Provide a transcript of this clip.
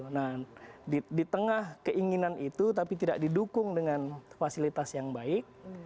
nah di tengah keinginan itu tapi tidak didukung dengan fasilitas yang baik